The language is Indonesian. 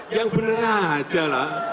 yang bener aja lah